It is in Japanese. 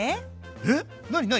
えっ？何何？